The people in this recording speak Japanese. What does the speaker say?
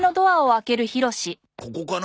ここかな？